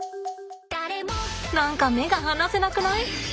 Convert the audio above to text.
何か目が離せなくない？